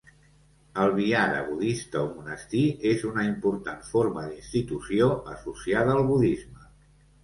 El Vihara budista o monestir és una important forma d'institució associada al budisme.